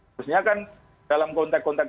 harusnya kan dalam konteks konteks